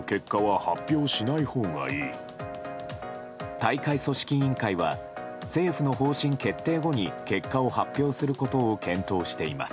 大会組織委員会は政府の方針決定後に結果を発表することを検討しています。